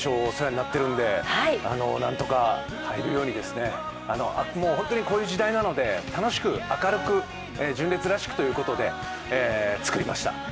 お世話になってるんで何とか入るように、もう本当にこういう時代なので、楽しく明るく純烈らしくということで作りました。